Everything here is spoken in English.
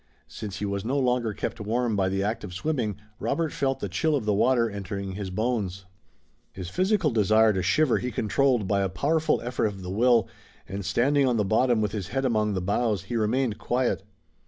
Since he was no longer kept warm by the act of swimming Robert felt the chill of the water entering his bones. His physical desire to shiver he controlled by a powerful effort of the will, and, standing on the bottom with his head among the boughs, he remained quiet.